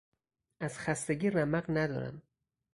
از خستگی رمق ندارم.